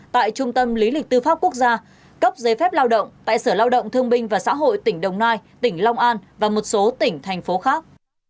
tại trung tâm lý lịch tư pháp quốc gia cấp giấy phép lao động tại sở lao động thương binh và xã hội tỉnh đồng nai tỉnh long an và một số tỉnh thành phố khác